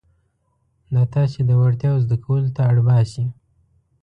دا تاسې د وړتیاوو زده کولو ته اړ باسي.